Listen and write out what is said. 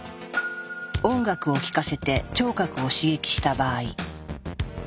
音楽を聞かせて聴覚を刺激した場合。